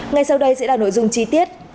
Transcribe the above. ngay sau đây sẽ là nội dung chi tiết